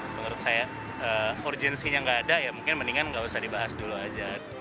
menurut saya urgensinya nggak ada ya mungkin mendingan nggak usah dibahas dulu aja